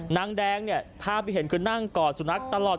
นางแดงเนี่ยภาพที่เห็นคือนั่งกอดสุนัขตลอด